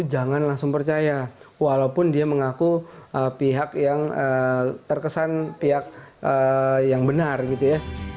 jangan langsung percaya walaupun dia mengaku pihak yang terkesan pihak yang benar gitu ya